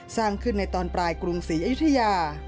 สร้างขึ้นในตอนปลายกรุงศรีอยุธยา